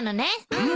うん？